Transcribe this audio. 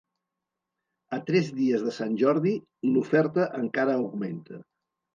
A tres dies de Sant Jordi l'oferta encara augmenta.